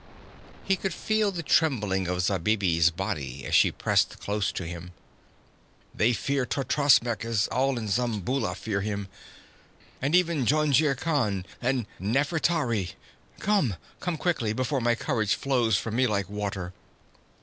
He could feel the trembling of Zabibi's body as she pressed close to him. 'They fear Totrasmek, as all in Zamboula fear him, even Jungir Khan and Nafertari. Come! Come quickly, before my courage flows from me like water!'